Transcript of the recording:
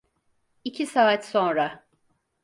İki saat sonra.